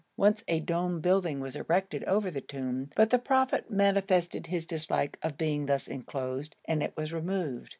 Once a domed building was erected over the tomb, but the prophet manifested his dislike of being thus inclosed and it was removed.